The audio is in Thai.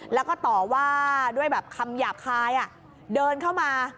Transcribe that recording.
แล้วก็ต่อว่าด้วยแบบคำหยาบคายเดินเข้ามา